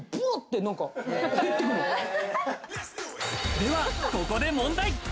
では、ここで問題。